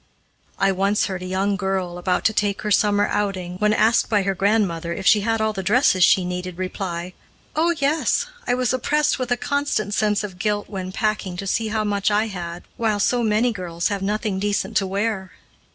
I once heard a young girl, about to take her summer outing, when asked by her grandmother if she had all the dresses she needed, reply, "Oh, yes! I was oppressed with a constant sense of guilt, when packing, to see how much I had, while so many girls have nothing decent to wear."